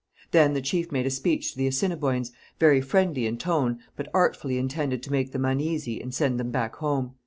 Then the chief made a speech to the Assiniboines, very friendly in tone, but artfully intended to make them uneasy and send them back home.